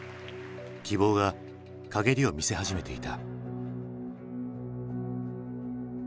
希望が陰りを見せ始めていた。